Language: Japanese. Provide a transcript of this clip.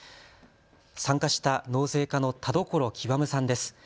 参加した納税課の田所究さんです。